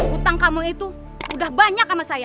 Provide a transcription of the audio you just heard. hutang kamu itu udah banyak sama saya